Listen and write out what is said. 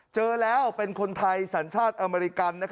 เจอแล้วเป็นคนไทยสัญชาติอเมริกัน